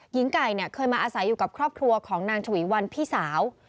หญิงไก่เนี่ยเคยมาอาศัยอยู่กับครอบครัวของนางฉวีวันพี่สาว